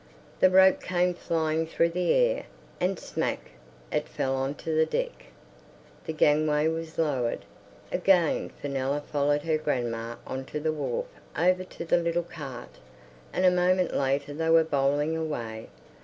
The rope came flying through the air, and "smack" it fell on to the deck. The gangway was lowered. Again Fenella followed her grandma on to the wharf over to the little cart, and a moment later they were bowling away.